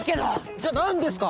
じゃあ何ですか？